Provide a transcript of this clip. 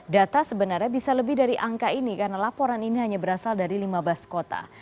data sebenarnya bisa lebih dari angka ini karena laporan ini hanya berasal dari lima belas kota